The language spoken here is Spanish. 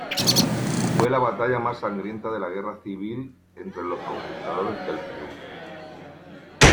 Fue la batalla más sangrienta de la Guerra civil entre los conquistadores del Perú.